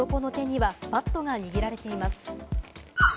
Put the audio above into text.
後を追う男の手にはバットが握られています。